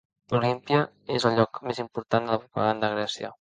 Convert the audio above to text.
Olímpia és el lloc més important de la propaganda a Grècia.